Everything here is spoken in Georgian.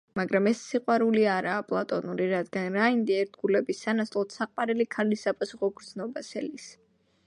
მაგრამ ეს სიყვარული არაა პლატონური, რადგან რაინდი ერთგულების სანაცვლოდ საყვარელი ქალისგან საპასუხო გრძნობას ელის.